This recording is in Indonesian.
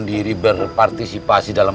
diri berpartisipasi dalam